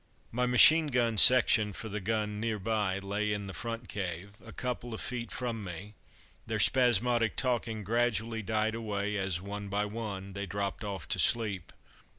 My machine gun section for the gun near by lay in the front cave, a couple of feet from me; their spasmodic talking gradually died away as, one by one, they dropped off to sleep.